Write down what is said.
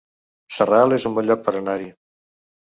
Sarral es un bon lloc per anar-hi